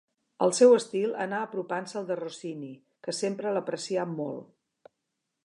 El seu estil anà apropant-se al de Rossini, que sempre l'aprecià molt.